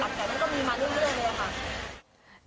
แล้วก็หลับแจกมันก็มีมาเรื่อยเลยค่ะ